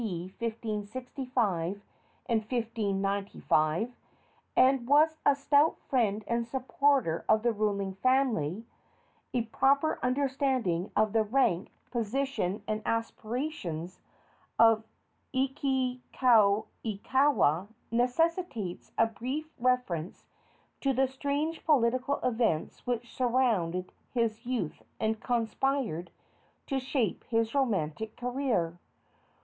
D. 1565 and 1595 and was a stout friend and supporter of the ruling family, a proper understanding of the rank, position and aspirations of Iwikauikaua necessitates a brief reference to the strange political events which surrounded his youth and conspired to shape his romantic career.